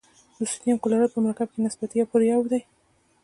د سوډیم کلورایډ په مرکب کې نسبت یو پر یو دی.